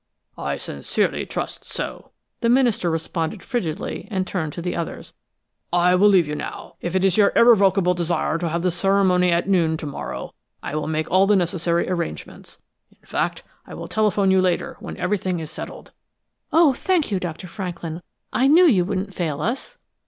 "I sincerely trust so!" the minister responded frigidly and turned to the others. "I will leave you now. If it is your irrevocable desire to have the ceremony at noon to morrow, I will make all the necessary arrangements. In fact, I will telephone you later, when everything is settled." "Oh, thank you, Dr. Franklin! I knew you wouldn't fail us!"